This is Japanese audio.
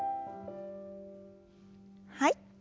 はい。